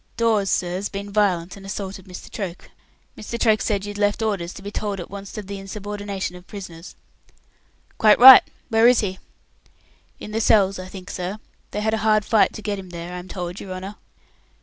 "Dawes, sir, 's been violent and assaulted Mr. Troke. Mr. Troke said you'd left orders to be told at onst of the insubordination of prisoners." "Quite right. Where is he?" "In the cells, I think, sir. They had a hard fight to get him there, I am told, your honour."